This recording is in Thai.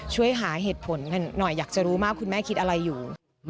ช่วยหาเหตุผลหน่อยอยากจะรู้มากคุณแม่คิดอะไรอยู่